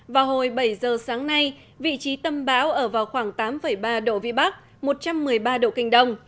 vào hồi bảy giờ sáng nay vị trí tâm bão ở vào khoảng tám ba độ vĩ bắc một trăm một mươi ba độ kinh đông